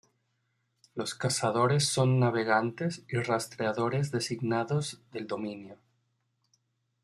Los Cazadores son navegantes y rastreadores designados del Dominio.